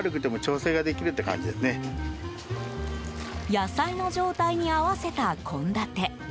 野菜の状態に合わせた献立。